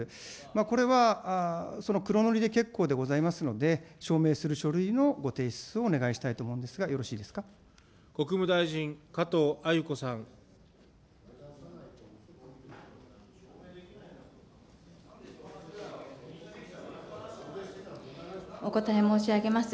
これはその黒塗りで結構でございますので、証明する書類のご提出をお願いしたいと思うんですが、よろしいで国務大臣、加藤鮎子さん。お答え申し上げます。